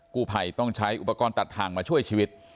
กู้ภัยต้องใช้อุปกรณ์ตัดทางมาช่วยชีวิต